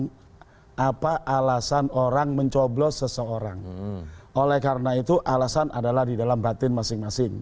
hai apa alasan orang mencoblos seseorang oleh karena itu alasan adalah di dalam batin masing masing